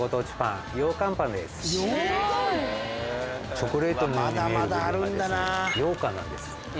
チョコレートのように見える部分がようかんなんです。